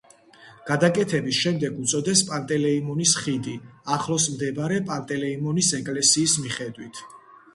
გადაკეთების შემდეგ უწოდეს პანტელეიმონის ხიდი, ახლოს მდებარე პანტელეიმონის ეკლესიის მიხედვით.